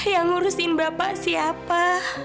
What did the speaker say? yang ngurusin bapak siapa